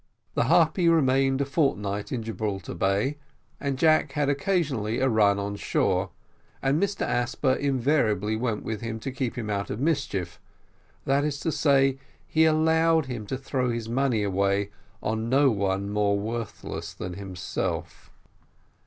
The Harpy remained a fortnight in Gibraltar Bay, and Jack had occasionally a run on shore, and Mr Asper invariably went with him to keep him out of mischief; that is to say, he allowed him to throw his money away on nobody more worthless than himself.